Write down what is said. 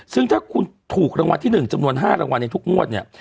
ซึ่งถ้าคุณถูกรางวัลที่๑จำนวน๕รางวัลในทุกงวดเนี่ย